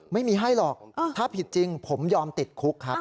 ไม่มีให้หรอกถ้าผิดจริงผมยอมติดคุกครับ